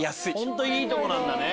本当いいとこなんだね。